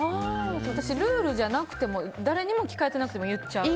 私、ルールじゃなくても誰に聞かれてなくても言っちゃう。